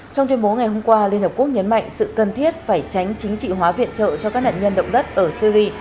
trong tuyên bố ngày hôm qua liên hợp quốc nhấn mạnh sự cần thiết phải tránh chính trị hóa viện trợ cho các nạn nhân động đất ở syri